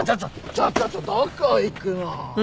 ちょちょちょどこ行くの。